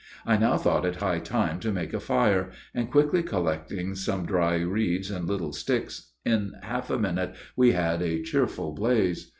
I now thought it high time to make a fire, and, quickly collecting some dry reeds and little sticks, in half a minute we had a cheerful blaze.